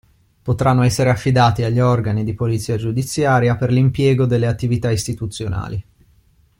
Potranno essere affidati agli organi di polizia giudiziaria per l'impiego delle attività istituzionali.